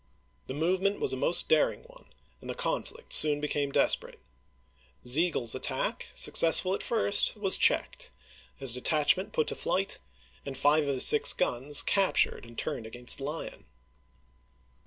The movement was a most daring one, and the conflict soon became desperate. Sigel's attack, successful at first, was checked, his detach ment put to flight, and five of his six guns cap tured and turned against Lyon.